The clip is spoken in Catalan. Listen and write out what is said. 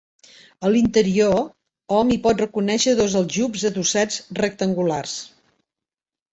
A l'interior, hom hi pot reconèixer dos aljubs adossats rectangulars.